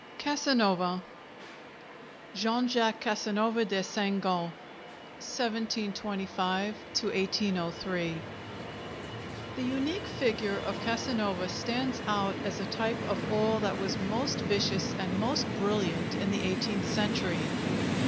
CASANOVA (JEAN JACQUES CASANOVA DE SEINGALT) (1725 1803) The unique figure of Casanova stands out as a type of all that was most vicious and most brilliant in the eighteenth century.